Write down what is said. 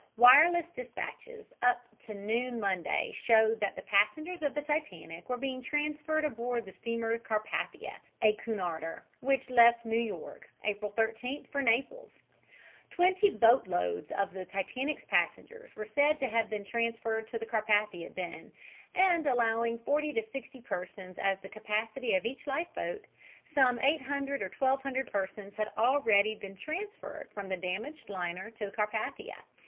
Wireless despatches up to noon Monday showed that the passengers of the Titanic were being transferred aboard the steamer Carpathia, a Cunarder, which left New York, April 13th, for Naples. Twenty boat loads of the Titanic's passengers were said to have been transferred to the Carpathia then, and allowing forty to sixty persons as the capacity of each life boat, some 800 or 1200 persons had already been transferred from the damaged liner to the Carpathia.